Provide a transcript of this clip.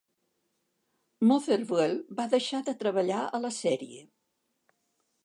Motherwell va deixar de treballar a la sèrie.